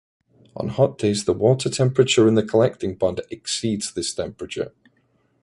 On hot days the water temperature in the collecting pond exceeds this temperature.